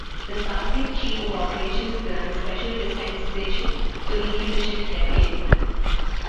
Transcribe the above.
The Starfleet Chief of Operations grants special dispensation to rename the ship "Defiant".